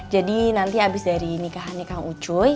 jadi nanti abis dari nikahannya kang ucuy